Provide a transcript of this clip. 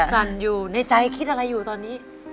สั่นอยู่ในใจคิดอะไรอยู่ตอนนี้